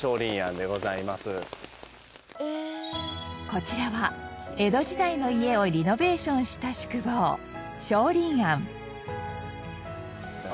こちらは江戸時代の家をリノベーションした宿坊松林庵。